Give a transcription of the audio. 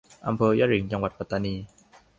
อำเภอยะหริ่ง จังหวัดปัตตานี